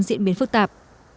diễn biến phức tạp